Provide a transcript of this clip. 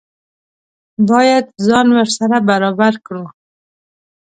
باید ځان ورسره برابر کړو.